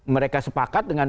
mereka sepakat dengan